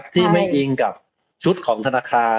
ที่ไม่อิงกับชุดของธนาคาร